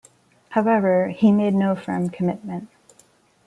However, he made no firm commitment.